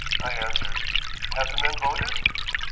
I answered. "Have the men voted?"